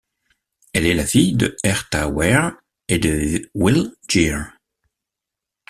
Elle est la fille de Herta Ware et de Will Geer.